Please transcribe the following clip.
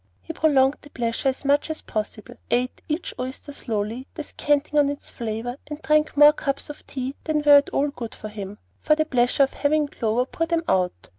He prolonged the pleasure as much as possible, ate each oyster slowly, descanting on its flavor, and drank more cups of tea than were at all good for him, for the pleasure of having Clover pour them out.